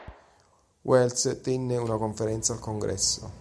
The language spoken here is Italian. Wells tenne una conferenza al congresso.